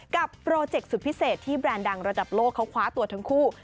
โปรเจคสุดพิเศษที่แบรนด์ดังระดับโลกเขาคว้าตัวทั้งคู่